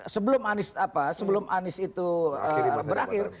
sebelum anies itu berakhir